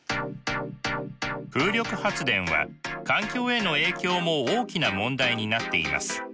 風力発電は環境への影響も大きな問題になっています。